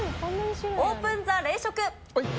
オープン・ザ・冷食。